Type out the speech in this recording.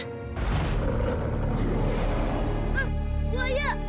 hah itu ayah